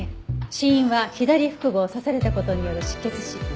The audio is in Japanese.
死因は左腹部を刺された事による失血死。